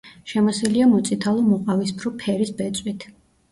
შემოსილია მოწითალო-მოყავისფრო ფერის ბეწვით.